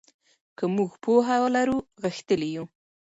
که موږ پوهه ولرو غښتلي یو.